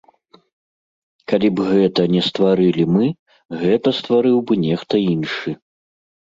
Калі б гэта не стварылі мы, гэта стварыў бы нехта іншы.